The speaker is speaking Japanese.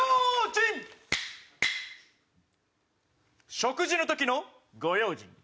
食事の時のご用心。